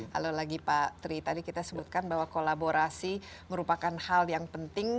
halo lagi pak tri tadi kita sebutkan bahwa kolaborasi merupakan hal yang penting